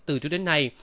từ trước đến nay